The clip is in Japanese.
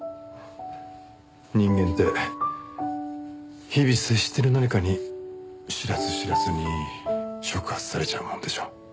人間って日々接してる何かに知らず知らずに触発されちゃうもんでしょ。